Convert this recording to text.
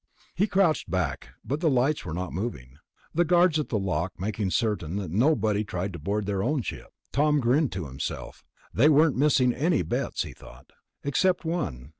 He crouched back, but the lights were not moving. Guards at the lock, making certain that nobody tried to board their own ship. Tom grinned to himself. They weren't missing any bets, he thought. Except one.